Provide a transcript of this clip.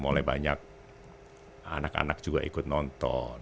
mulai banyak anak anak juga ikut nonton